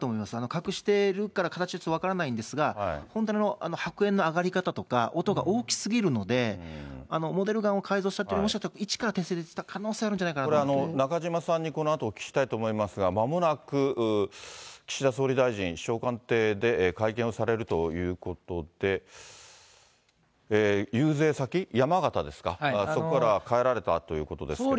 隠してるから形はちょっと分からないんですが、本当に白煙の上がり方とか、音が大きすぎるので、モデルガンを改造したっていうよりは、もしかしたら、一から作った可能性もあるんじゃないかと思中島さんにこのあと、お聞きしたいと思いますが、まもなく岸田総理大臣、首相官邸で会見をされるということで、遊説先、山形ですか、そこから帰られたということですけれど。